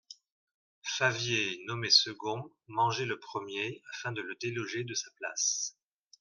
Favier, nommé second, mangeait le premier, afin de le déloger de sa place.